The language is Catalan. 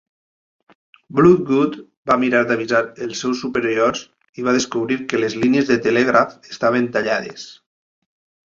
Bloodgood va mirar d'avisar als seus superiors i va descobrir que les línies de telègraf estaven tallades.